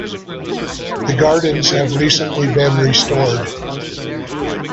The gardens have recently been restored.